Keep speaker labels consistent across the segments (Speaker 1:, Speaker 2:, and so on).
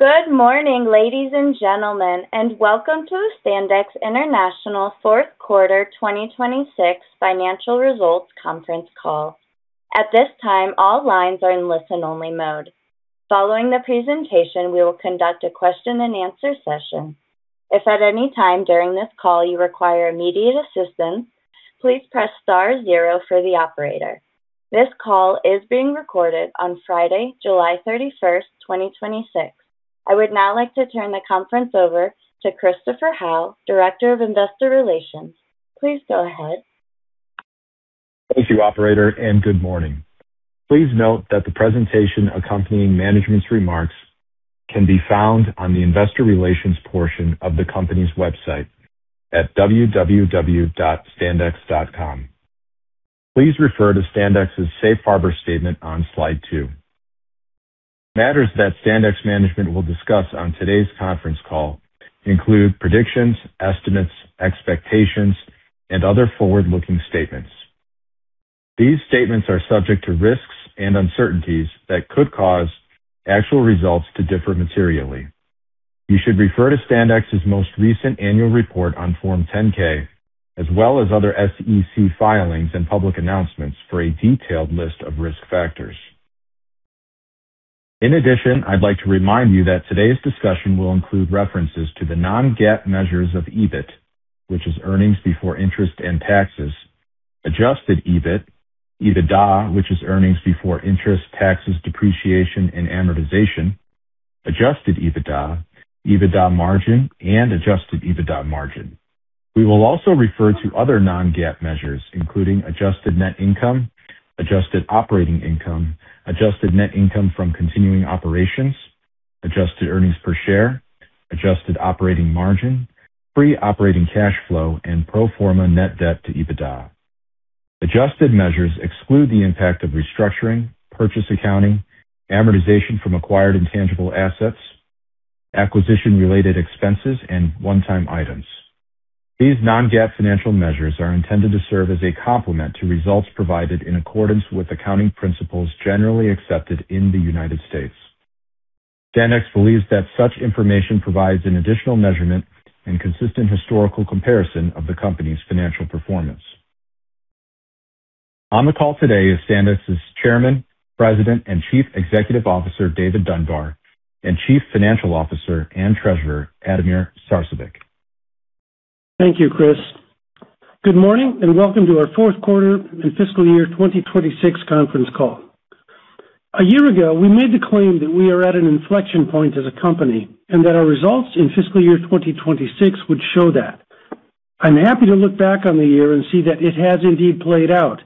Speaker 1: Good morning, ladies and gentlemen, and welcome to Standex International Fourth Quarter 2026 Financial Results Conference Call. At this time, all lines are in listen-only mode. Following the presentation, we will conduct a question and answer session. If at any time during this call you require immediate assistance, please press star zero for the operator. This call is being recorded on Friday, July 31st, 2026. I would now like to turn the conference over to Christopher Howe, Director of Investor Relations. Please go ahead.
Speaker 2: Thank you, Operator, good morning. Please note that the presentation accompanying management's remarks can be found on the investor relations portion of the company's website at www.standex.com. Please refer to Standex's safe harbor statement on slide two. Matters that Standex management will discuss on today's conference call include predictions, estimates, expectations and other forward-looking statements. These statements are subject to risks and uncertainties that could cause actual results to differ materially. You should refer to Standex's most recent annual report on Form 10-K, as well as other SEC filings and public announcements, for a detailed list of risk factors. In addition, I'd like to remind you that today's discussion will include references to the non-GAAP measures of EBIT, which is earnings before interest and taxes. Adjusted EBIT, EBITDA, which is earnings before interest, taxes, depreciation and amortization, adjusted EBITDA, EBITDA margin and adjusted EBITDA margin. We will also refer to other non-GAAP measures, including adjusted net income, adjusted operating income, adjusted net income from continuing operations, adjusted earnings per share, adjusted operating margin, free operating cash flow and pro forma net debt to EBITDA. Adjusted measures exclude the impact of restructuring, purchase accounting, amortization from acquired intangible assets, acquisition-related expenses and one-time items. These non-GAAP financial measures are intended to serve as a complement to results provided in accordance with accounting principles generally accepted in the United States. Standex believes that such information provides an additional measurement and consistent historical comparison of the company's financial performance. On the call today is Standex's Chairman, President and Chief Executive Officer, David Dunbar, and Chief Financial Officer and Treasurer, Ademir Sarcevic.
Speaker 3: Thank you, Chris. Good morning and welcome to our fourth quarter and fiscal year 2026 conference call. A year ago, we made the claim that we are at an inflection point as a company, and that our results in fiscal year 2026 would show that. I'm happy to look back on the year and see that it has indeed played out.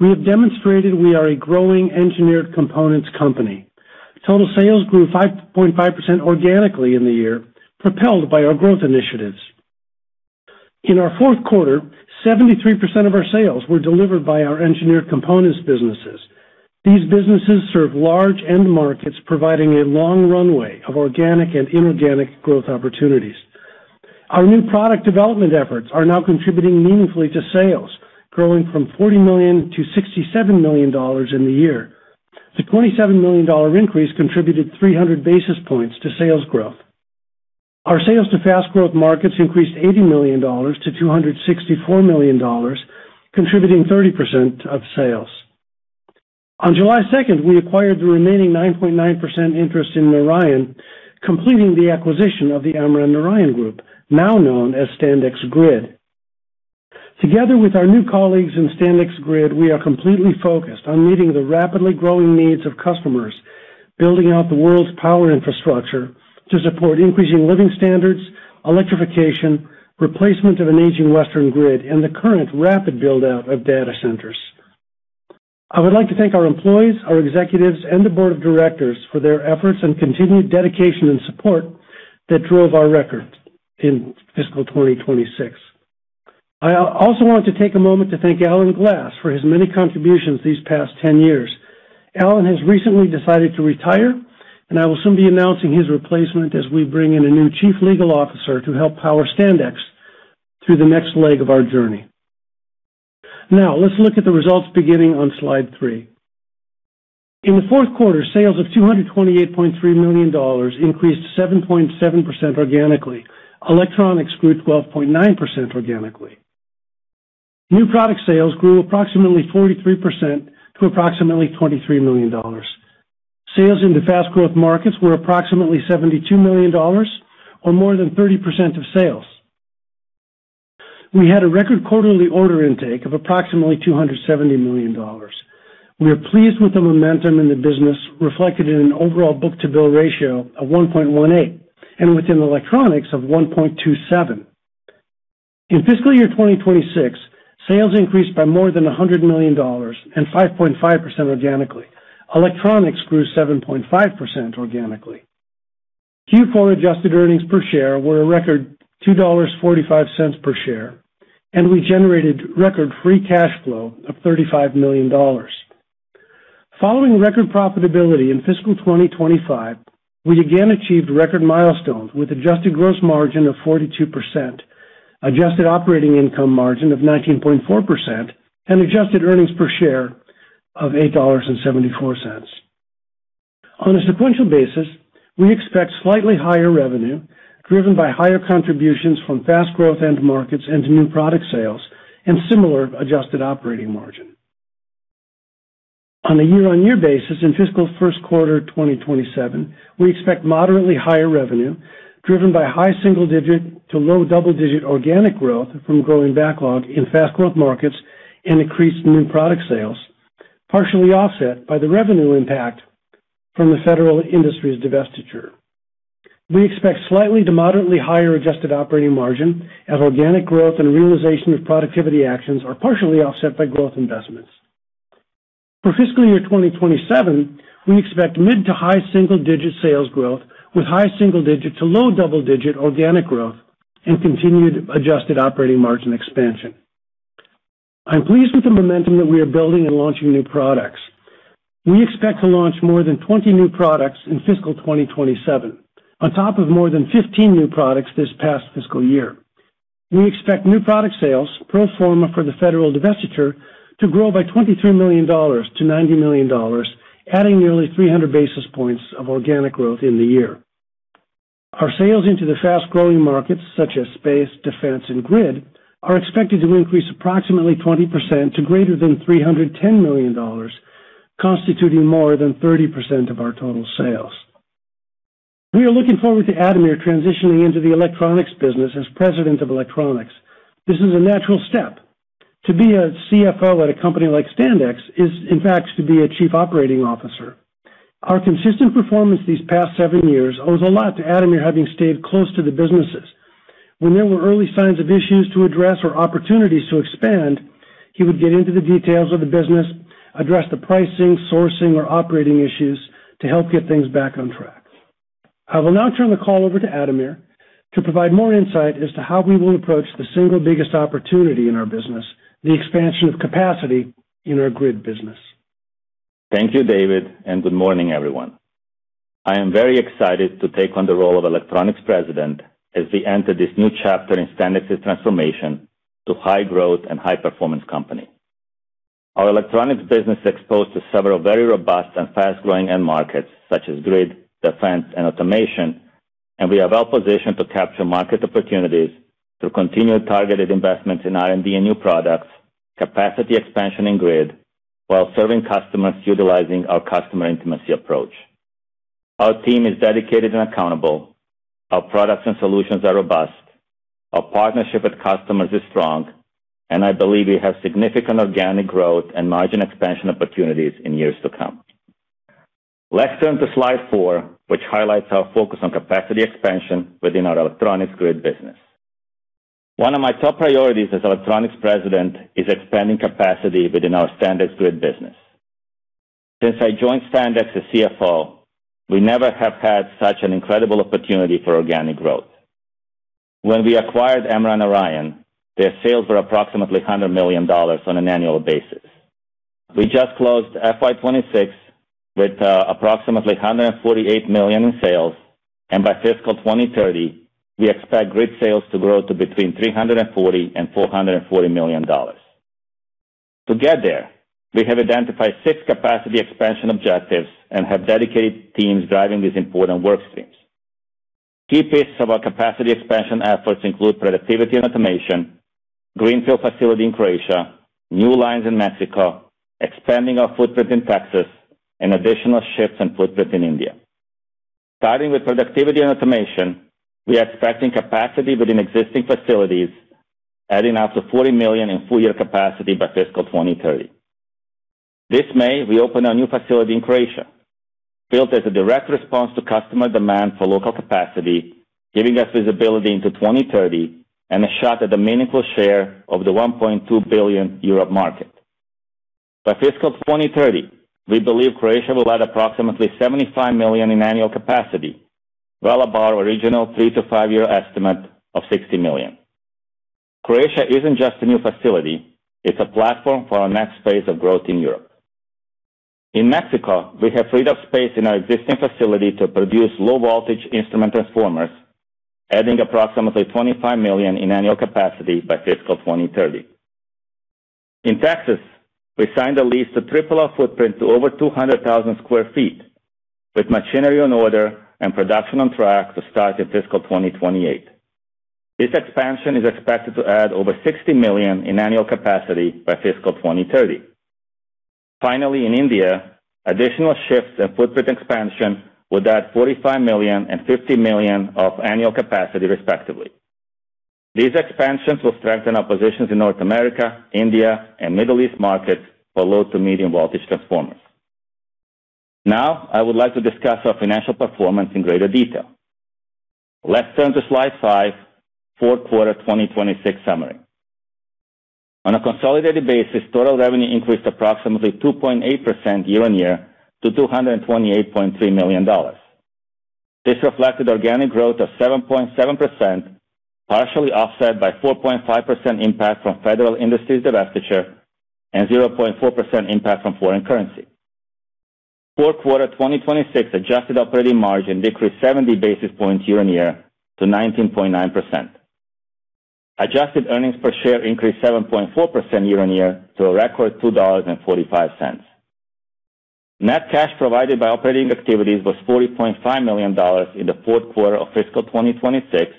Speaker 3: We have demonstrated we are a growing engineered components company. Total sales grew 5.5% organically in the year, propelled by our growth initiatives. In our fourth quarter, 73% of our sales were delivered by our engineered components businesses. These businesses serve large end markets, providing a long runway of organic and inorganic growth opportunities. Our new product development efforts are now contributing meaningfully to sales, growing from $40 million to $67 million in the year. The $27 million increase contributed 300 basis points to sales growth. Our sales to fast growth markets increased $80 million to $264 million, contributing 30% of sales. On July 2nd, we acquired the remaining 9.9% interest in Narayan, completing the acquisition of the Amran/Narayan Group, now known as Standex Grid. Together with our new colleagues in Standex Grid, we are completely focused on meeting the rapidly growing needs of customers, building out the world's power infrastructure to support increasing living standards, electrification, replacement of an aging western grid, and the current rapid build-out of data centers. I would like to thank our employees, our executives, and the board of directors for their efforts and continued dedication and support that drove our record in FY 2026. I also want to take a moment to thank Alan Glass for his many contributions these past 10 years. Alan has recently decided to retire, and I will soon be announcing his replacement as we bring in a new Chief Legal Officer to help power Standex through the next leg of our journey. Let's look at the results beginning on Slide three. In the fourth quarter, sales of $228.3 million increased 7.7% organically. Electronics grew 12.9% organically. New product sales grew approximately 43% to approximately $23 million. Sales into fast growth markets were approximately $72 million or more than 30% of sales. We had a record quarterly order intake of approximately $270 million. We are pleased with the momentum in the business, reflected in an overall book-to-bill ratio of 1.18, and within Electronics of 1.27. In FY 2026, sales increased by more than $100 million and 5.5% organically. Electronics grew 7.5% organically. Q4 adjusted earnings per share were a record $2.45 per share, and we generated record free cash flow of $35 million. Following record profitability in FY 2025, we again achieved record milestones with adjusted gross margin of 42%, adjusted operating income margin of 19.4%, and adjusted earnings per share of $8.74. On a sequential basis, we expect slightly higher revenue driven by higher contributions from fast growth end markets into new product sales and similar adjusted operating margin. On a year-over-year basis in fiscal first quarter 2027, we expect moderately higher revenue driven by high single-digit to low double-digit organic growth from growing backlog in fast growth markets and increased new product sales, partially offset by the revenue impact from the Federal Industries divestiture. We expect slightly to moderately higher adjusted operating margin as organic growth and realization of productivity actions are partially offset by growth investments. For fiscal year 2027, we expect mid- to high single-digit sales growth with high single-digit to low double-digit organic growth and continued adjusted operating margin expansion. I'm pleased with the momentum that we are building in launching new products. We expect to launch more than 20 new products in fiscal 2027, on top of more than 15 new products this past fiscal year. We expect new product sales pro forma for the Federal divestiture to grow by $23 million to $90 million, adding nearly 300 basis points of organic growth in the year. Our sales into the fast-growing markets such as space, defense, and grid are expected to increase approximately 20% to greater than $310 million, constituting more than 30% of our total sales. We are looking forward to Ademir transitioning into the electronics business as president of electronics. This is a natural step. To be a Chief Financial Officer at a company like Standex is, in fact, to be a chief operating officer. Our consistent performance these past seven years owes a lot to Ademir having stayed close to the businesses. When there were early signs of issues to address or opportunities to expand, he would get into the details of the business, address the pricing, sourcing, or operating issues to help get things back on track. I will now turn the call over to Ademir to provide more insight as to how we will approach the single biggest opportunity in our business, the expansion of capacity in our grid business.
Speaker 4: Thank you, David. Good morning, everyone. I am very excited to take on the role of electronics president as we enter this new chapter in Standex's transformation to high-growth and high-performance company. Our electronics business is exposed to several very robust and fast-growing end markets such as grid, defense, and automation. We are well positioned to capture market opportunities through continued targeted investments in R&D and new products, capacity expansion in grid, while serving customers utilizing our customer intimacy approach. Our team is dedicated and accountable. Our products and solutions are robust. Our partnership with customers is strong. I believe we have significant organic growth and margin expansion opportunities in years to come. Let's turn to slide four, which highlights our focus on capacity expansion within our electronics grid business. One of my top priorities as electronics president is expanding capacity within our Standex Grid business. Since I joined Standex as Chief Financial Officer, we never have had such an incredible opportunity for organic growth. When we acquired Amran Narayan, their sales were approximately $100 million on an annual basis. We just closed FY 2026 with approximately $148 million in sales, and by fiscal 2030, we expect grid sales to grow to between $340 million and $440 million. To get there, we have identified six capacity expansion objectives and have dedicated teams driving these important work streams. Key pieces of our capacity expansion efforts include productivity and automation, greenfield facility in Croatia, new lines in Mexico, expanding our footprint in Texas, and additional shifts in footprint in India. Starting with productivity and automation, we are expecting capacity within existing facilities, adding up to $40 million in full year capacity by fiscal 2030. This May, we opened our new facility in Croatia, built as a direct response to customer demand for local capacity, giving us visibility into 2030 and a shot at a meaningful share of the $1.2 billion Europe market. By fiscal 2030, we believe Croatia will add approximately $75 million in annual capacity, well above our original three to five-year estimate of $60 million. Croatia isn't just a new facility, it's a platform for our next phase of growth in Europe. In Mexico, we have freed up space in our existing facility to produce low voltage instrument transformers, adding approximately $25 million in annual capacity by fiscal 2030. In Texas, we signed a lease to triple our footprint to over 200,000 sq ft with machinery on order and production on track to start in fiscal 2028. This expansion is expected to add over $60 million in annual capacity by fiscal 2030. In India, additional shifts in footprint expansion would add $45 million and $50 million of annual capacity respectively. These expansions will strengthen our positions in North America, India, and Middle East markets for low to medium voltage transformers. I would like to discuss our financial performance in greater detail. Let's turn to slide five, fourth quarter 2026 summary. On a consolidated basis, total revenue increased approximately 2.8% year-on-year to $228.3 million. This reflected organic growth of 7.7%, partially offset by 4.5% impact from Federal Industries divestiture and 0.4% impact from foreign currency. Fourth quarter 2026 adjusted operating margin decreased 70 basis points year-on-year to 19.9%. Adjusted earnings per share increased 7.4% year-on-year to a record $2.45. Net cash provided by operating activities was $40.5 million in the fourth quarter of fiscal 2026,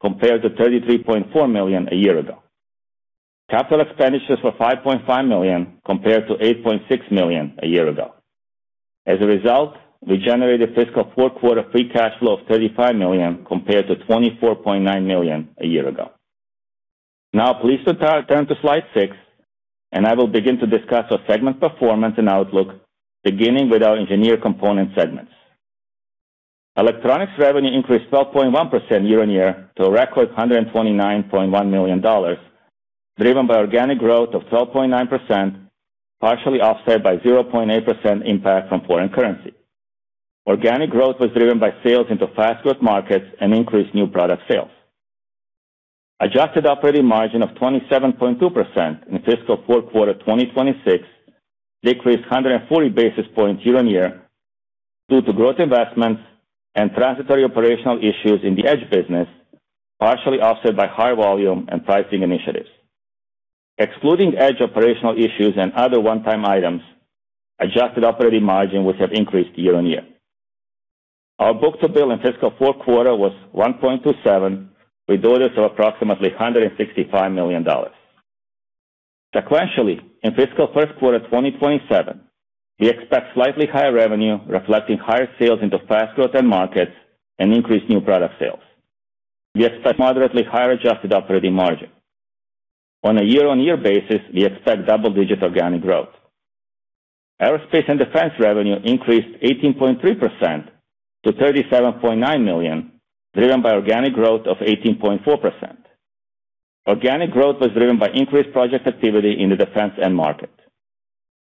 Speaker 4: compared to $33.4 million a year ago. Capital expenditures were $5.5 million, compared to $8.6 million a year ago. As a result, we generated fiscal fourth quarter free cash flow of $35 million compared to $24.9 million a year ago. Please turn to slide six, and I will begin to discuss our segment performance and outlook, beginning with our engineered components segments. Electronics revenue increased 12.1% year-on-year to a record $129.1 million, driven by organic growth of 12.9%, partially offset by 0.8% impact from foreign currency. Organic growth was driven by sales into fast growth markets and increased new product sales. Adjusted operating margin of 27.2% in fiscal fourth quarter 2026 decreased 140 basis points year-on-year due to growth investments and transitory operational issues in the Edge business, partially offset by high volume and pricing initiatives. Excluding Edge operational issues and other one-time items, adjusted operating margin would have increased year-on-year. Our book-to-bill in fiscal fourth quarter was 1.27 with orders of approximately $165 million. In fiscal first quarter 2027, we expect slightly higher revenue, reflecting higher sales into fast growth end markets and increased new product sales. We expect moderately higher adjusted operating margin. On a year-on-year basis, we expect double-digit organic growth. Aerospace & Defense revenue increased 18.3% to $37.9 million, driven by organic growth of 18.4%. Organic growth was driven by increased project activity in the defense end market.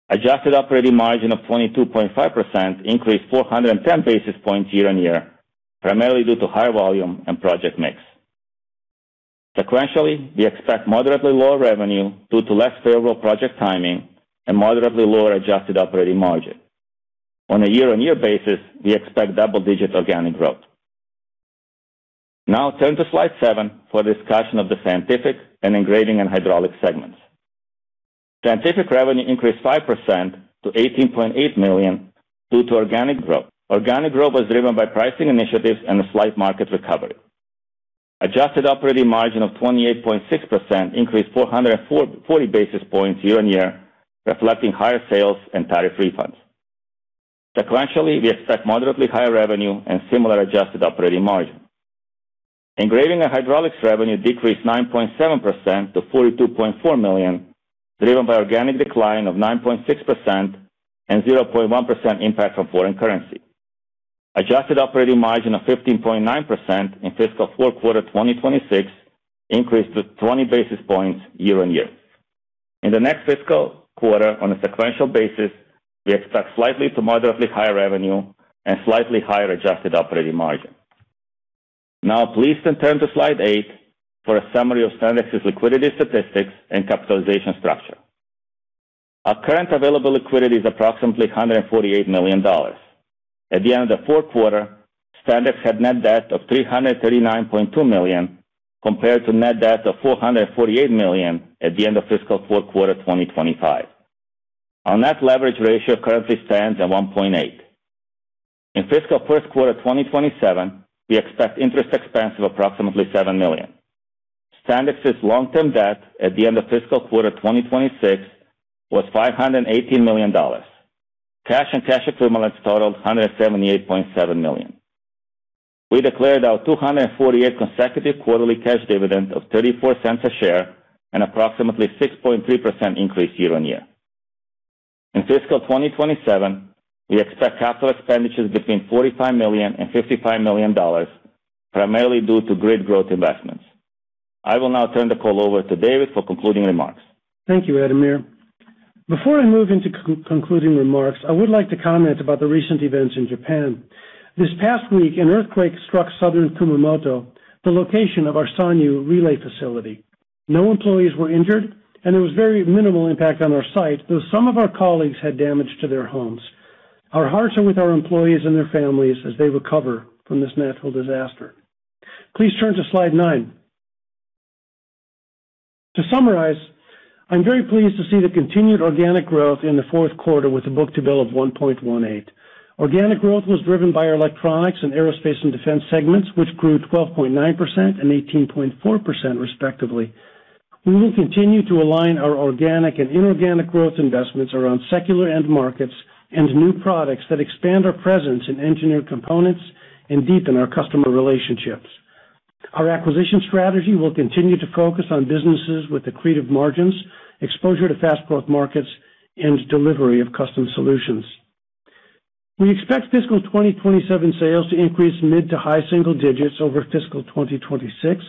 Speaker 4: Adjusted operating margin of 22.5% increased 410 basis points year-on-year, primarily due to higher volume and project mix. We expect moderately lower revenue due to less favorable project timing and moderately lower adjusted operating margin. On a year-on-year basis, we expect double-digit organic growth. Turn to slide seven for discussion of the Scientific and Engraving and Hydraulics segments. Scientific revenue increased 5% to $18.8 million due to organic growth. Organic growth was driven by pricing initiatives and a slight market recovery. Adjusted operating margin of 28.6% increased 440 basis points year-on-year, reflecting higher sales and tariff refunds. Sequentially, we expect moderately higher revenue and similar adjusted operating margin. Engraving and Hydraulics revenue decreased 9.7% to $42.4 million, driven by organic decline of 9.6% and 0.1% impact from foreign currency. Adjusted operating margin of 15.9% in fiscal fourth quarter 2026 increased 20 basis points year-on-year. In the next fiscal quarter, on a sequential basis, we expect slightly to moderately higher revenue and slightly higher adjusted operating margin. Please turn to slide eight for a summary of Standex's liquidity statistics and capitalization structure. Our current available liquidity is approximately $148 million. At the end of the fourth quarter, Standex had net debt of $339.2 million, compared to net debt of $448 million at the end of fiscal fourth quarter 2025. Our net leverage ratio currently stands at 1.8. In fiscal first quarter 2027, we expect interest expense of approximately $7 million. Standex's long-term debt at the end of fiscal quarter 2026 was $518 million. Cash and cash equivalents totaled $178.7 million. We declared our 248th consecutive quarterly cash dividend of $0.34 a share and approximately 6.3% increase year-on-year. In fiscal 2027, we expect capital expenditures between $45 million-$55 million, primarily due to Standex Grid growth investments. I will now turn the call over to David for concluding remarks.
Speaker 3: Thank you, Ademir. Before I move into concluding remarks, I would like to comment about the recent events in Japan. This past week, an earthquake struck southern Kumamoto, the location of our Sanyu relay facility. No employees were injured, and there was very minimal impact on our site, though some of our colleagues had damage to their homes. Our hearts are with our employees and their families as they recover from this natural disaster. Please turn to slide nine. To summarize, I am very pleased to see the continued organic growth in the fourth quarter with a book-to-bill of 1.18. Organic growth was driven by our Electronics and Aerospace & Defense segments, which grew 12.9% and 18.4% respectively. We will continue to align our organic and inorganic growth investments around secular end markets and new products that expand our presence in engineered components and deepen our customer relationships. Our acquisition strategy will continue to focus on businesses with accretive margins, exposure to fast growth markets, and delivery of custom solutions. We expect fiscal 2027 sales to increase mid- to high-single digits over fiscal 2026,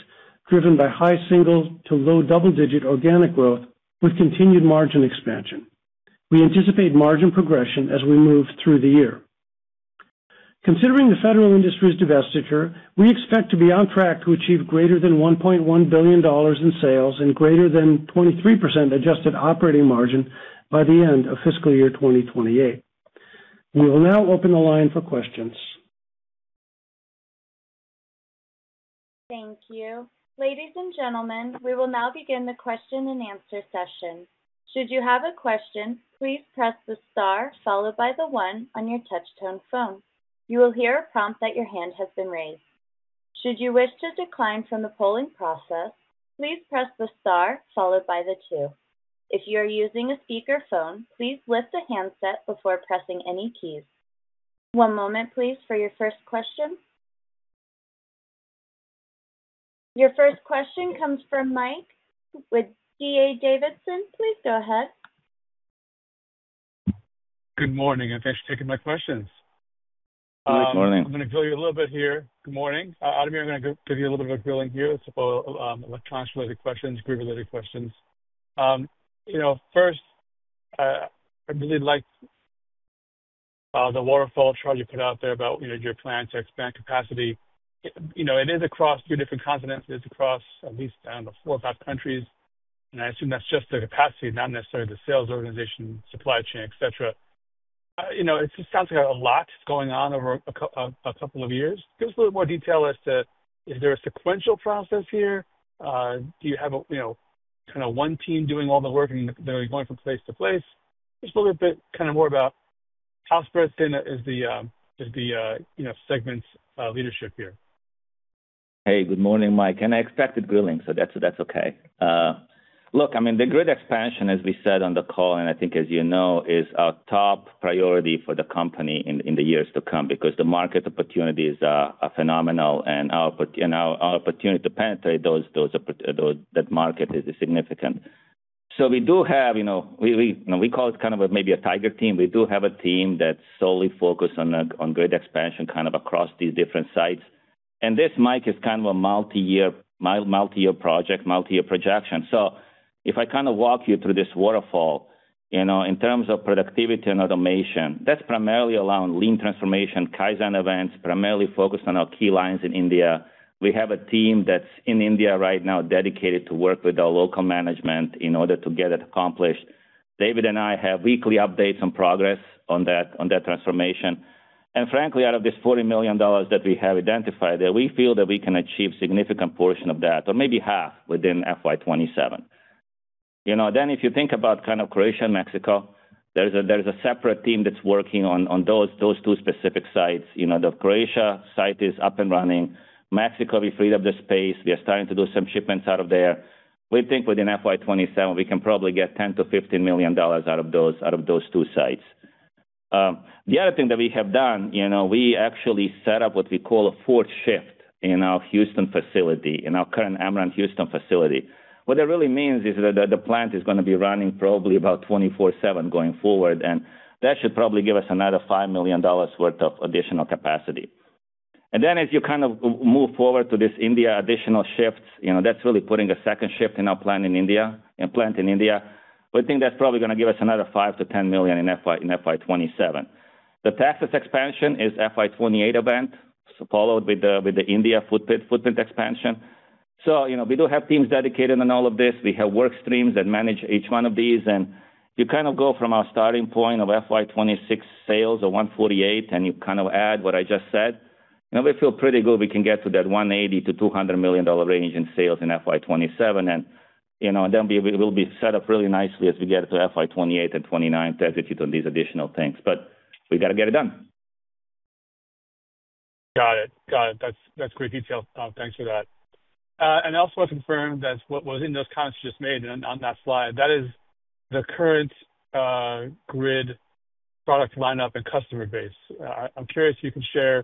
Speaker 3: driven by high-single to low-double-digit organic growth with continued margin expansion. We anticipate margin progression as we move through the year. Considering the Federal Industries divestiture, we expect to be on track to achieve greater than $1.1 billion in sales and greater than 23% adjusted operating margin by the end of fiscal year 2028. We will now open the line for questions.
Speaker 1: Thank you. Ladies and gentlemen, we will now begin the question and answer session. Should you have a question, please press the star followed by the one on your touch-tone phone. You will hear a prompt that your hand has been raised. Should you wish to decline from the polling process, please press the star followed by the two. If you are using a speakerphone, please lift the handset before pressing any keys. One moment, please, for your first question. Your first question comes from Mike with D.A. Davidson. Please go ahead.
Speaker 5: Good morning, thanks for taking my questions.
Speaker 2: Good morning.
Speaker 5: I'm going to grill you a little bit here. Good morning. Ademir, I'm going to give you a little bit of a grilling here. It's about electronics-related questions, Grid-related questions. First, I really liked the waterfall chart you put out there about your plan to expand capacity. It is across two different continents. It's across at least four or five countries. I assume that's just the capacity, not necessarily the sales organization, supply chain, et cetera. It just sounds like a lot going on over a couple of years. Give us a little more detail as to, is there a sequential process here? Do you have one team doing all the work, and they're going from place to place? Just a little bit more about how spread thin is the segments leadership here.
Speaker 4: Hey, good morning, Mike. I expected grilling, that's okay. I mean, the Grid expansion, as we said on the call, I think as you know, is a top priority for the company in the years to come because the market opportunities are phenomenal, and our opportunity to penetrate that market is significant. We do have, we call it maybe a tiger team. We do have a team that's solely focused on Grid expansion across these different sites. This, Mike, is a multi-year project, multi-year projection. If I walk you through this waterfall in terms of productivity and automation, that's primarily around lean transformation. Kaizen events primarily focus on our key lines in India. We have a team that's in India right now dedicated to work with our local management in order to get it accomplished. David and I have weekly updates on progress on that transformation. Frankly, out of this $40 million that we have identified there, we feel that we can achieve significant portion of that, or maybe half within FY 2027. If you think about Croatia and Mexico, there is a separate team that's working on those two specific sites. The Croatia site is up and running. Mexico, we freed up the space. We are starting to do some shipments out of there. We think within FY 2027, we can probably get $10 million-$15 million out of those two sites. The other thing that we have done, we actually set up what we call a fourth shift in our Houston facility, in our current Amran Houston facility. What that really means is that the plant is going to be running probably about 24/7 going forward, that should probably give us another $5 million worth of additional capacity. As you move forward to this India additional shift, that's really putting a second shift in our plant in India. We think that's probably going to give us another $5 million-$10 million in FY 2027. The Texas expansion is FY 2028 event, followed with the India footprint expansion. We do have teams dedicated on all of this. We have work streams that manage each one of these. You go from our starting point of FY 2026 sales of $148 million, and you add what I just said, we feel pretty good we can get to that $180 million-$200 million range in sales in FY 2027. We'll be set up really nicely as we get to FY 2028 and FY 2029 to execute on these additional things. We got to get it done.
Speaker 5: Got it. That's great detail. Thanks for that. To confirm that what was in those comments you just made on that slide, that is the current grid product lineup and customer base. I'm curious if you can share.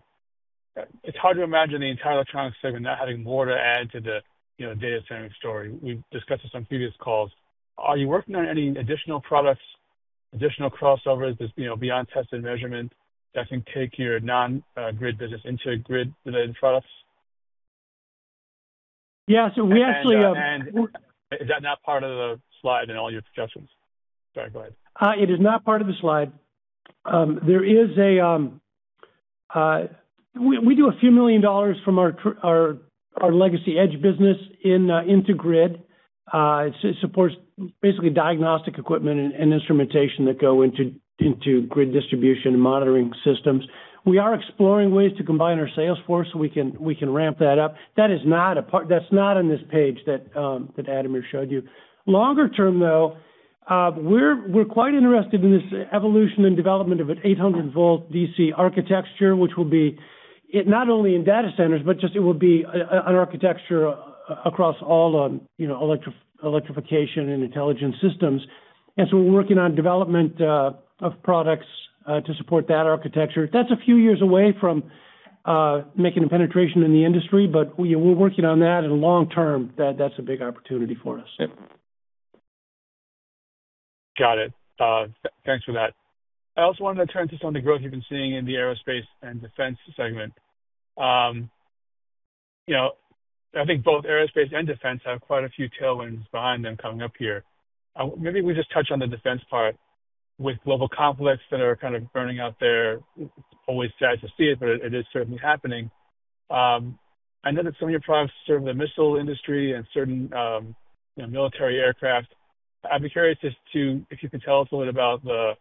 Speaker 5: It's hard to imagine the entire electronics segment not having more to add to the data center story. We've discussed this on previous calls. Are you working on any additional products, additional crossovers, just beyond test and measurement that can take your non-grid business into grid-related products?
Speaker 3: Yeah, we actually.
Speaker 5: Is that not part of the slide in all your discussions? Sorry, go ahead.
Speaker 3: It is not part of the slide. We do a few million dollars from our legacy Edge business into grid. It supports basically diagnostic equipment and instrumentation that go into grid distribution and monitoring systems. We are exploring ways to combine our sales force so we can ramp that up. That's not on this page that Ademir showed you. Longer term, though, we're quite interested in this evolution and development of an 800-volt DC architecture, which will be not only in data centers, but just it will be an architecture across all electrification and intelligent systems. We're working on development of products to support that architecture. That's a few years away from making a penetration in the industry, but we're working on that, and long term, that's a big opportunity for us.
Speaker 5: Got it. Thanks for that. I also wanted to turn to some of the growth you've been seeing in the Aerospace & Defense segment. I think both aerospace and defense have quite a few tailwinds behind them coming up here. Maybe we just touch on the defense part with global conflicts that are kind of burning out there. Always sad to see it, but it is certainly happening. I know that some of your products serve the missile industry and certain military aircraft. I'd be curious as to if you could tell us a little about the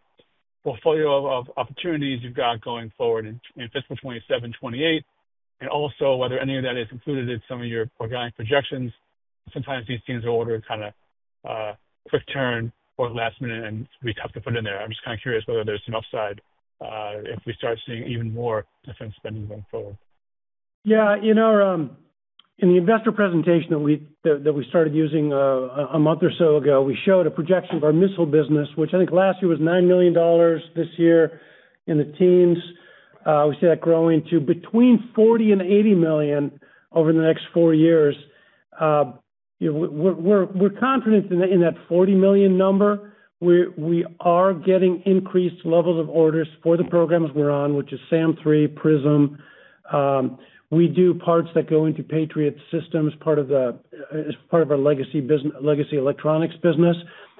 Speaker 5: portfolio of opportunities you've got going forward in FY 2027, FY 2028, and also whether any of that is included in some of your organic projections. Sometimes these things order kind of quick turn or last minute and be tough to put in there. I'm just kind of curious whether there's some upside if we start seeing even more defense spending going forward.
Speaker 3: In the investor presentation that we started using a month or so ago, we showed a projection of our missile business, which I think last year was $9 million. This year in the teens. We see that growing to between $40 million and $80 million over the next four years. We're confident in that $40 million number. We are getting increased levels of orders for the programs we're on, which is SAM-3, PrSM. We do parts that go into Patriot's system as part of our legacy electronics business.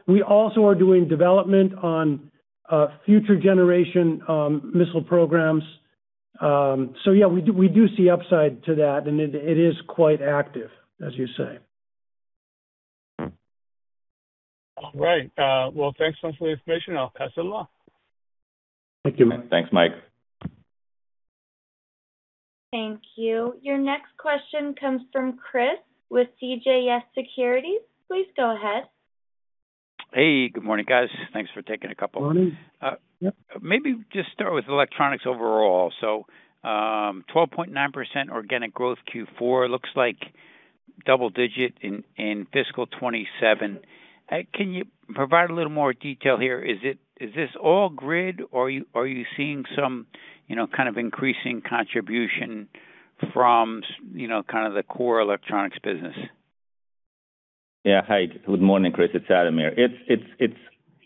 Speaker 3: We also are doing development on future generation missile programs. We do see upside to that, and it is quite active, as you say.
Speaker 5: All right. Well, thanks much for the information. I'll pass it along.
Speaker 3: Thank you.
Speaker 2: Thanks, Mike.
Speaker 1: Thank you. Your next question comes from Chris with CJS Securities. Please go ahead.
Speaker 6: Hey, good morning, guys. Thanks for taking a couple.
Speaker 3: Morning. Yep.
Speaker 6: Maybe just start with electronics overall. 12.9% organic growth Q4 looks like double digit in fscal 2027. Can you provide a little more detail here? Is this all Grid, or are you seeing some kind of increasing contribution from kind of the core electronics business?
Speaker 4: Yeah. Hi. Good morning, Chris. It's Ademir.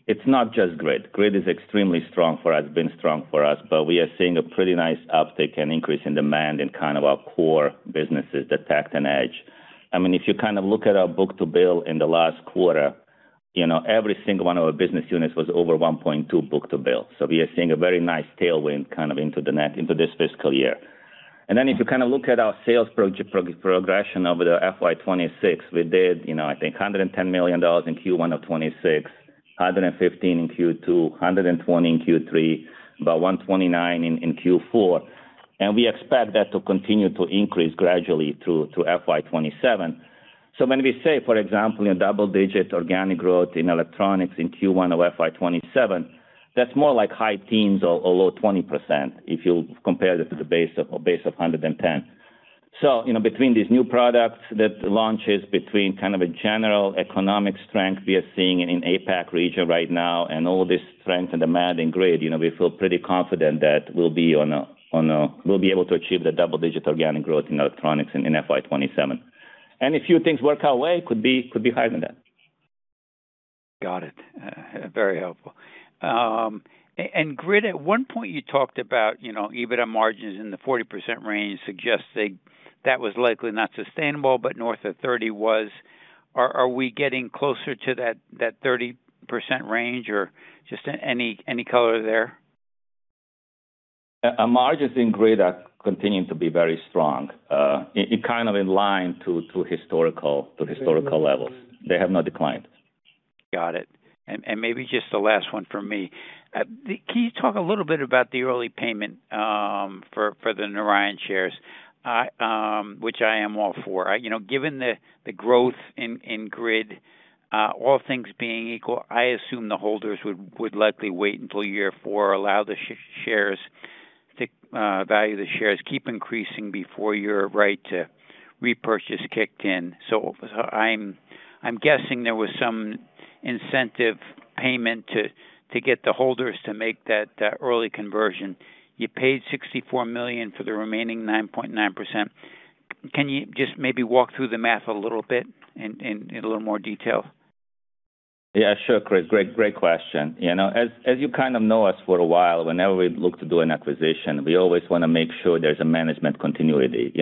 Speaker 4: It's not just Grid. Grid is extremely strong for us, been strong for us, but we are seeing a pretty nice uptick and increase in demand in kind of our core businesses, Detect and Edge. If you kind of look at our book-to-bill in the last quarter, every single one of our business units was over 1.2 book-to-bill. If you kind of look at our sales progression over the FY 2026, we did, I think, $110 million in Q1 of 2026, $115 million in Q2, $120 million in Q3, about $129 million in Q4. We expect that to continue to increase gradually through to FY 2027. When we say, for example, in double-digit organic growth in electronics in Q1 of FY 2027, that's more like high teens or low 20% if you compare it to the base of 110. Between these new products that launches, between kind of a general economic strength we are seeing in APAC region right now and all this strength and demand in Standex Grid, we feel pretty confident that we'll be able to achieve the double-digit organic growth in electronics in FY 2027. If few things work our way, could be higher than that.
Speaker 6: Got it. Very helpful. Grid, at one point you talked about EBITDA margins in the 40% range, suggesting that was likely not sustainable, but north of 30 was. Are we getting closer to that 30% range or just any color there?
Speaker 4: Our margins in Standex Grid are continuing to be very strong, kind of in line to historical levels. They have not declined.
Speaker 6: Got it. Maybe just the last one from me. Can you talk a little bit about the early payment for the Narayan shares, which I am all for. Given the growth in Standex Grid, all things being equal, I assume the holders would likely wait until year four, allow the value of the shares keep increasing before your right to repurchase kicked in. I'm guessing there was some incentive payment to get the holders to make that early conversion. You paid $64 million for the remaining 9.9%. Can you just maybe walk through the math a little bit in a little more detail?
Speaker 4: Yeah, sure, Chris. Great question. As you kind of know us for a while, whenever we look to do an acquisition, we always want to make sure there's a management continuity.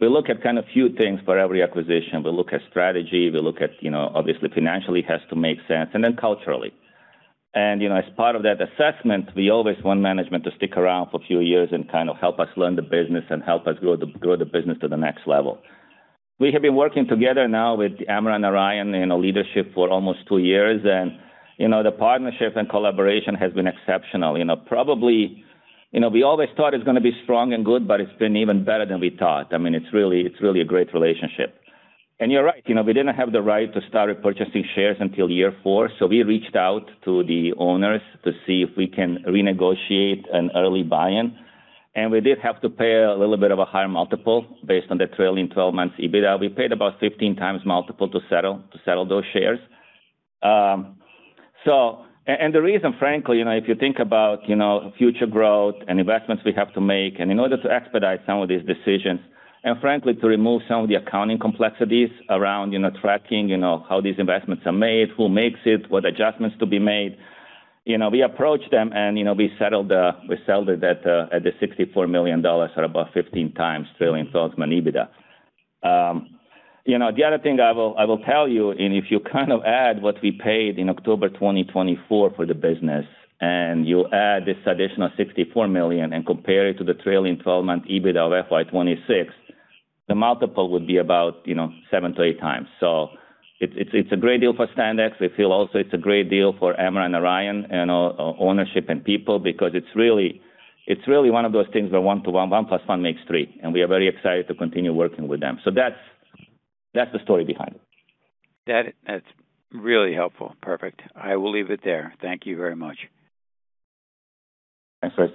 Speaker 4: We look at kind of few things for every acquisition. We look at strategy, we look at, obviously, financially has to make sense, and then culturally. As part of that assessment, we always want management to stick around for a few years and kind of help us learn the business and help us grow the business to the next level. We have been working together now with Amran Narayan in a leadership for almost two years, and the partnership and collaboration has been exceptional. Probably, we always thought it's going to be strong and good, but it's been even better than we thought. It's really a great relationship. You're right. We didn't have the right to start purchasing shares until year four. We reached out to the owners to see if we can renegotiate an early buy-in, and we did have to pay a little bit of a higher multiple based on the trailing 12 months EBITDA. We paid about 15x multiple to settle those shares. The reason, frankly, if you think about future growth and investments we have to make, and in order to expedite some of these decisions, and frankly, to remove some of the accounting complexities around tracking how these investments are made, who makes it, what adjustments to be made. We approached them and we settled it at the $64 million or about 15x trailing 12-month EBITDA. The other thing I will tell you, if you add what we paid in October 2024 for the business, and you add this additional $64 million and compare it to the trailing 12-month EBITDA of FY 2026, the multiple would be about seven to eight times. It's a great deal for Standex. We feel also it's a great deal for Amran and Narayan, and ownership and people, because it's really one of those things where 1+1 makes three. We are very excited to continue working with them. That's the story behind it.
Speaker 6: That's really helpful. Perfect. I will leave it there. Thank you very much.
Speaker 4: Thanks, Chris.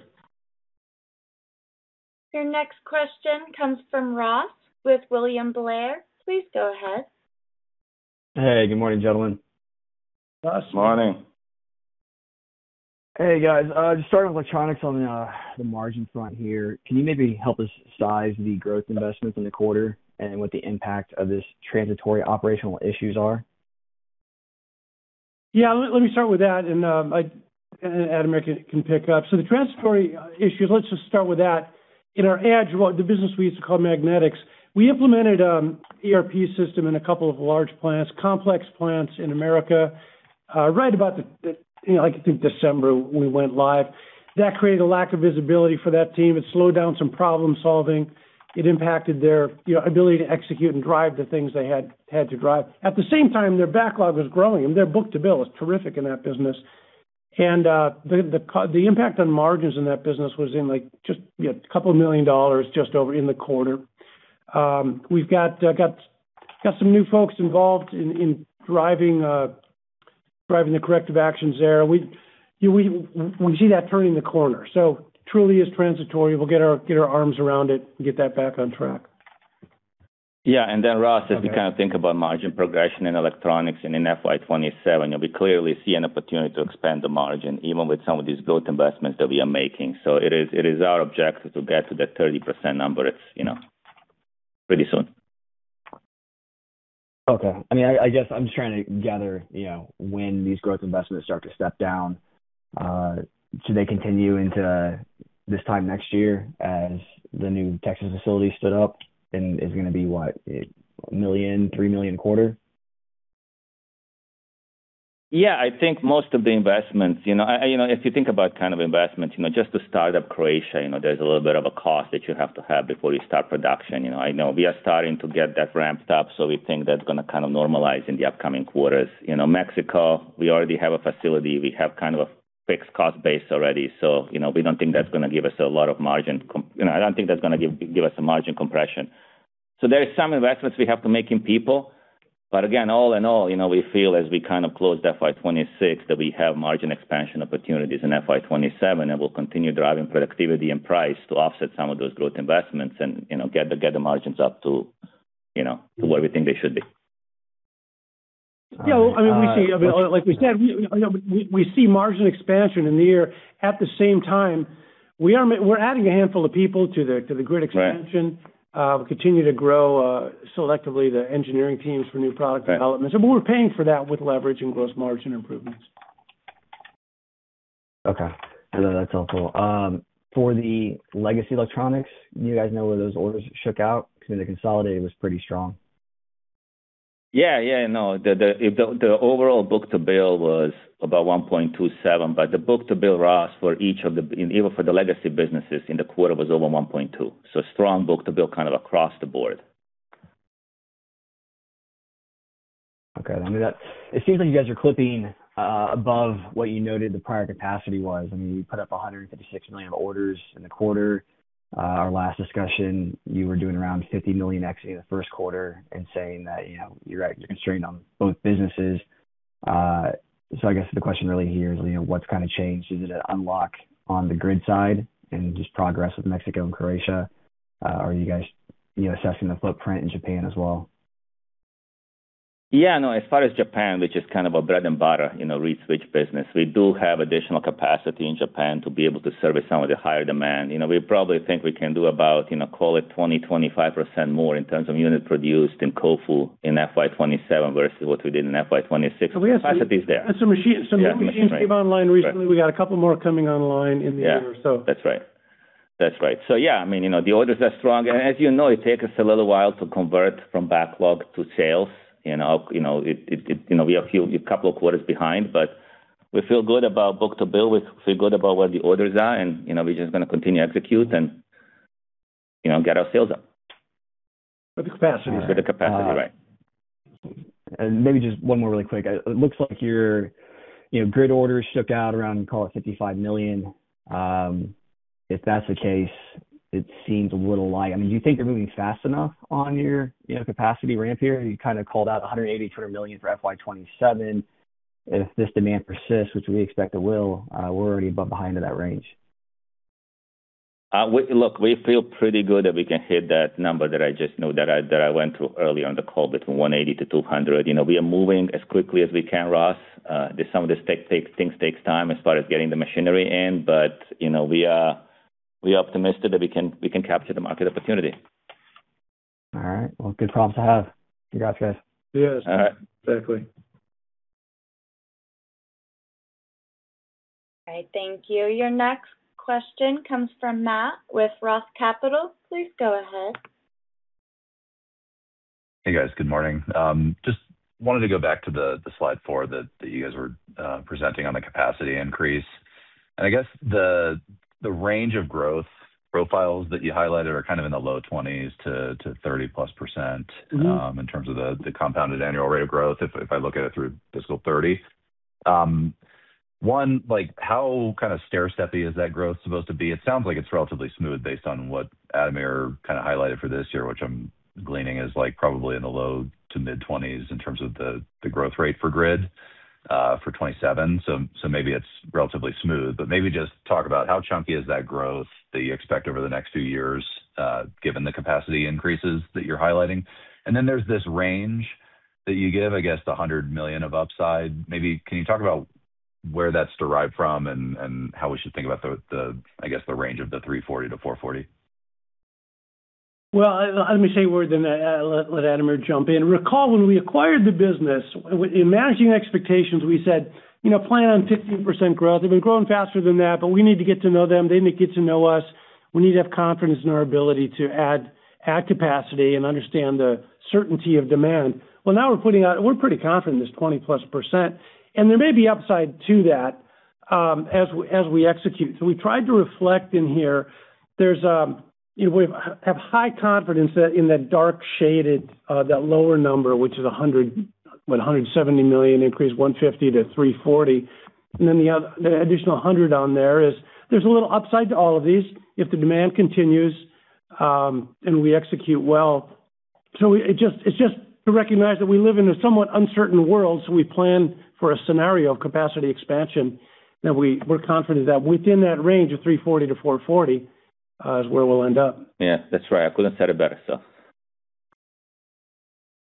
Speaker 1: Your next question comes from Ross with William Blair. Please go ahead.
Speaker 7: Hey, good morning, gentlemen.
Speaker 4: Ross.
Speaker 3: Morning.
Speaker 7: Hey, guys. Just starting with electronics on the margin front here, can you maybe help us size the growth investments in the quarter and what the impact of this transitory operational issues are?
Speaker 3: Yeah, let me start with that. Ademir can pick up. The transitory issues, let's just start with that. In our Edge, the business we used to call magnetics, we implemented an ERP system in two large plants, complex plants in the U.S. Right about, I think December, we went live. That created a lack of visibility for that team. It slowed down some problem-solving. It impacted their ability to execute and drive the things they had to drive. At the same time, their backlog was growing, and their book-to-bill is terrific in that business. The impact on margins in that business was in just $2 million, just over in the quarter. We've got some new folks involved in driving the corrective actions there. We see that turning the corner. Truly is transitory. We'll get our arms around it and get that back on track.
Speaker 4: Yeah. Ross, as we think about margin progression in electronics and in FY 2027, we clearly see an opportunity to expand the margin, even with some of these growth investments that we are making. It is our objective to get to that 30% number pretty soon.
Speaker 7: Okay. I guess I'm just trying to gather when these growth investments start to step down. Do they continue into this time next year as the new Texas facility stood up and is going to be what? $1 million-$3 million a quarter?
Speaker 4: I think most of the investments. If you think about investments, just the start of Croatia, there's a little bit of a cost that you have to have before you start production. I know we are starting to get that ramped up, we think that's going to normalize in the upcoming quarters. Mexico, we already have a facility. We have a fixed cost base already. We don't think that's going to give us a lot of margin. I don't think that's going to give us a margin compression. There is some investments we have to make in people. Again, all in all, we feel as we closed FY 2026, that we have margin expansion opportunities in FY 2027, and we'll continue driving productivity and price to offset some of those growth investments and get the margins up to what we think they should be.
Speaker 3: Like we said, we see margin expansion in the year. At the same time, we're adding a handful of people to the Standex Grid expansion.
Speaker 4: Right.
Speaker 3: We continue to grow selectively the engineering teams for new product development.
Speaker 4: Right.
Speaker 3: We're paying for that with leverage and gross margin improvements.
Speaker 7: Okay. No, that's helpful. For the legacy electronics, do you guys know where those orders shook out? The consolidated was pretty strong.
Speaker 4: Yeah. No, the overall book-to-bill was about 1.27. The book-to-bill, Ross, for each of the even for the legacy businesses in the quarter was over 1.2. Strong book-to-bill across the board.
Speaker 7: Okay. It seems like you guys are clipping above what you noted the prior capacity was. You put up $156 million of orders in the quarter. Our last discussion, you were doing around $50 million in the first quarter and saying that you're constrained on both businesses. I guess the question really here is, what's changed? Is it an unlock on the Grid side and just progress with Mexico and Croatia? Are you guys assessing the footprint in Japan as well?
Speaker 4: Yeah. No, as far as Japan, which is kind of a bread and butter reed switch business, we do have additional capacity in Japan to be able to service some of the higher demand. We probably think we can do about, call it 20%-25% more in terms of units produced in Kofu in FY 2027 versus what we did in FY 2026.
Speaker 3: We have.
Speaker 4: Capacity is there.
Speaker 3: Some new machines came online recently. We got a couple more coming online in the year or so.
Speaker 4: That's right. Yeah, the orders are strong. As you know, it takes us a little while to convert from backlog to sales. We are a few couple of quarters behind, but we feel good about book-to-bill. We feel good about where the orders are, and we're just going to continue to execute and get our sales up.
Speaker 3: With the capacity.
Speaker 4: With the capacity, right.
Speaker 7: Maybe just one more really quick. It looks like your Standex Grid orders shook out around, call it $55 million. If that's the case, it seems a little light. Do you think you're moving fast enough on your capacity ramp here? You called out $180 million-$200 million for FY 2027. If this demand persists, which we expect it will, we're already a bit behind in that range.
Speaker 4: Look, we feel pretty good that we can hit that number that I went through early on the call between $180 million-$200 million. We are moving as quickly as we can, Ross. Some of this things takes time as far as getting the machinery in, we are optimistic that we can capture the market opportunity.
Speaker 7: All right. Well, good problems to have. Congrats, guys.
Speaker 3: Cheers.
Speaker 4: All right.
Speaker 3: Exactly.
Speaker 1: All right. Thank you. Your next question comes from Matt with ROTH Capital. Please go ahead.
Speaker 8: Hey, guys. Good morning. Just wanted to go back to the slide four that you guys were presenting on the capacity increase. I guess the range of growth profiles that you highlighted are kind of in the low 20s to +30%. in terms of the compounded annual rate of growth if I look at it through fiscal 2030. How stairsteppy is that growth supposed to be? It sounds like it's relatively smooth based on what Ademir kind of highlighted for this year, which I'm gleaning is probably in the low to mid-20s in terms of the growth rate for Grid for 2027. Maybe it's relatively smooth. Maybe just talk about how chunky is that growth that you expect over the next few years, given the capacity increases that you're highlighting. There's this range that you give, I guess $100 million of upside. Maybe can you talk about where that's derived from and how we should think about the, I guess, the range of the $340 million-$440 million?
Speaker 3: Well, let me say a word, then let Ademir jump in. Recall when we acquired the business, in managing expectations, we said, "Plan on 15% growth. They've been growing faster than that, but we need to get to know them. They need to get to know us. We need to have confidence in our ability to add capacity and understand the certainty of demand." Well, now we're putting out, we're pretty confident in this +20%. There may be upside to that as we execute. We tried to reflect in here. We have high confidence in that dark shaded, that lower number, which is $170 million increase, $150 million-$340 million. The additional $100 million on there is there's a little upside to all of these if the demand continues, and we execute well. It's just to recognize that we live in a somewhat uncertain world, so we plan for a scenario of capacity expansion that we're confident is that within that range of $340 million-$440 million, is where we'll end up.
Speaker 4: Yeah, that's right. I couldn't have said it better.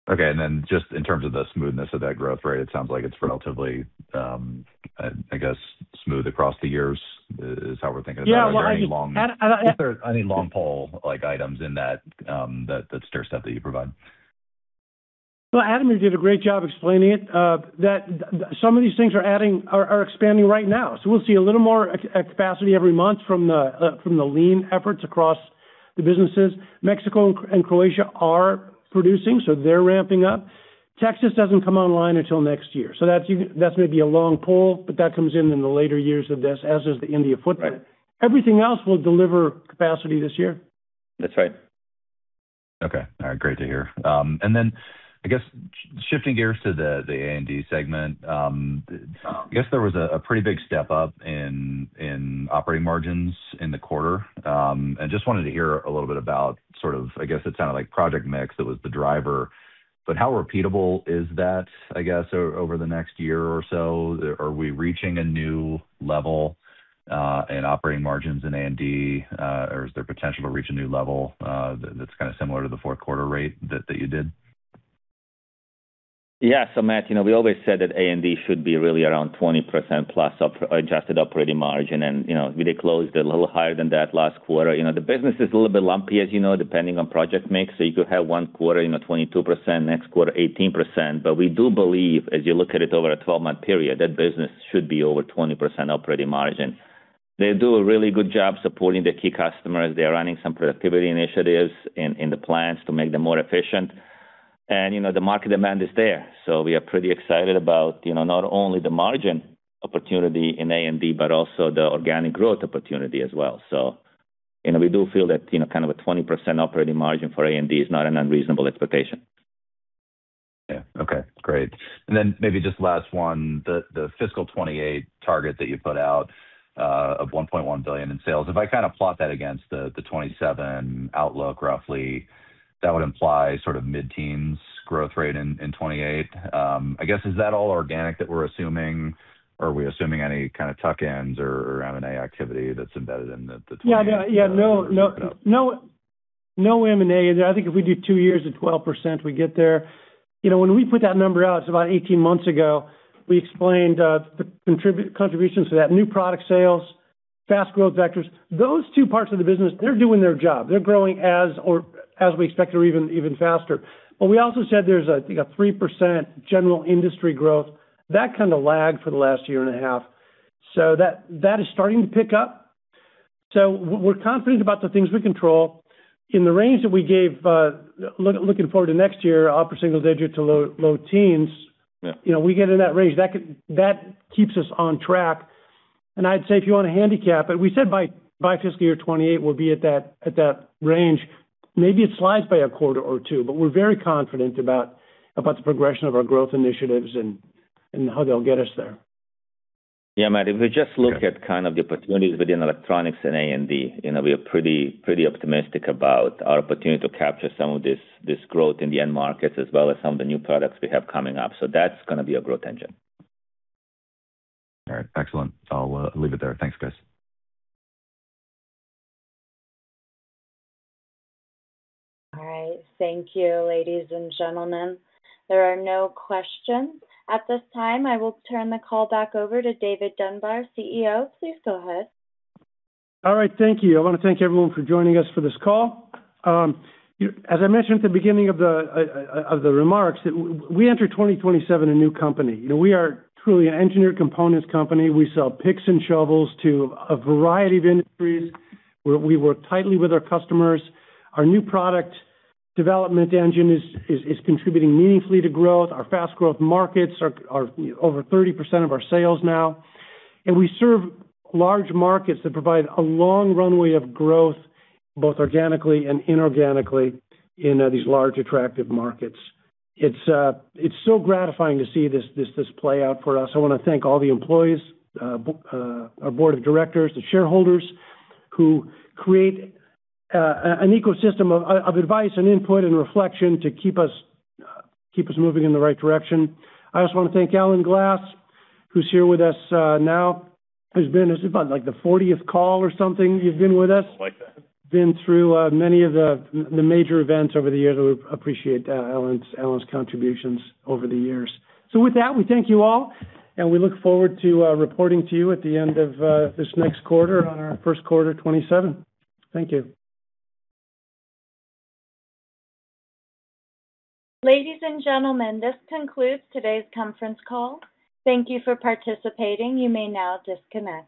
Speaker 8: Okay, just in terms of the smoothness of that growth rate, it sounds like it's relatively, I guess, smooth across the years is how we're thinking about it.
Speaker 3: Yeah.
Speaker 8: Are there any long pole items in that stairstep that you provide?
Speaker 3: Well, Ademir did a great job explaining it. That some of these things are expanding right now. We'll see a little more capacity every month from the lean efforts across the businesses. Mexico and Croatia are producing, so they're ramping up. Texas doesn't come online until next year, so that's maybe a long pole, but that comes in in the later years of this, as does the India footprint.
Speaker 8: Right.
Speaker 3: Everything else will deliver capacity this year.
Speaker 4: That's right.
Speaker 8: Okay. All right, great to hear. I guess, shifting gears to the A&D segment. I guess there was a pretty big step up in operating margins in the quarter. Just wanted to hear a little bit about sort of, I guess it sounded like project mix that was the driver. How repeatable is that, I guess, over the next year or so? Are we reaching a new level, in operating margins in A&D? Is there potential to reach a new level that's kind of similar to the fourth quarter rate that you did?
Speaker 4: Yeah. Matt, we always said that A&D should be really around +20% adjusted operating margin. They closed a little higher than that last quarter. The business is a little bit lumpy, as you know, depending on project mix. You could have one quarter 22%, next quarter 18%. We do believe as you look at it over a 12-month period, that business should be over 20% operating margin. They do a really good job supporting their key customers. They're running some productivity initiatives in the plants to make them more efficient. The market demand is there. We are pretty excited about not only the margin opportunity in A&D, but also the organic growth opportunity as well. We do feel that kind of a 20% operating margin for A&D is not an unreasonable expectation.
Speaker 8: Yeah. Okay, great. Maybe just last one, the fiscal 2028 target that you put out of $1.1 billion in sales. If I kind of plot that against the 2027 outlook roughly, that would imply sort of mid-teens growth rate in 2028. I guess, is that all organic that we're assuming? Are we assuming any kind of tuck-ins or M&A activity that's embedded in the 2028 numbers you put up?
Speaker 3: Yeah, no M&A. I think if we do two years at 12%, we get there. When we put that number out, it's about 18 months ago, we explained the contributions to that new product sales, fast growth vectors. Those 2 parts of the business, they're doing their job. They're growing as we expect or even faster. We also said there's, I think a 3% general industry growth. That kind of lagged for the last year and a half. That is starting to pick up. We're confident about the things we control. In the range that we gave, looking forward to next year, upper single digit to low teens.
Speaker 8: Yeah.
Speaker 3: We get in that range, that keeps us on track. I'd say if you want to handicap it, we said by FY 2028, we'll be at that range. Maybe it slides by a quarter or two, but we're very confident about the progression of our growth initiatives and how they'll get us there.
Speaker 4: Yeah, Matt, if we just look at kind of the opportunities within electronics and A&D, we are pretty optimistic about our opportunity to capture some of this growth in the end markets, as well as some of the new products we have coming up. That's going to be a growth engine.
Speaker 8: All right. Excellent. I'll leave it there. Thanks, guys.
Speaker 1: All right. Thank you, ladies and gentlemen. There are no questions. At this time, I will turn the call back over to David Dunbar, Chief Executive Officer. Please go ahead.
Speaker 3: All right, thank you. I want to thank everyone for joining us for this call. As I mentioned at the beginning of the remarks, we enter 2027 a new company. We are truly an engineered components company. We sell picks and shovels to a variety of industries, where we work tightly with our customers. Our new product development engine is contributing meaningfully to growth. Our fast growth markets are over 30% of our sales now. We serve large markets that provide a long runway of growth, both organically and inorganically in these large attractive markets. It's so gratifying to see this play out for us. I want to thank all the employees, our board of directors, the shareholders who create an ecosystem of advice and input and reflection to keep us moving in the right direction. I also want to thank Alan Glass, who's here with us now, who's been, this is what, like the 40th call or something you've been with us?
Speaker 4: Something like that.
Speaker 3: Been through many of the major events over the years. We appreciate Alan's contributions over the years. With that, we thank you all, and we look forward to reporting to you at the end of this next quarter on our first quarter 2027. Thank you.
Speaker 1: Ladies and gentlemen, this concludes today's conference call. Thank you for participating. You may now disconnect.